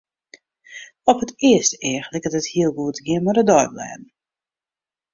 Op it earste each liket it hiel goed te gean mei de deiblêden.